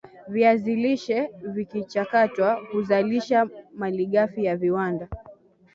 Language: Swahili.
viazi lishe vikichakatwa huzalisha malighafi ya viwanda